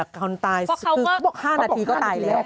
ความตายคือบอก๕นาทีก็ตายแล้ว